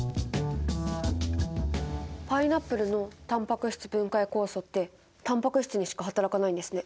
パイナップルのタンパク質分解酵素ってタンパク質にしかはたらかないんですね。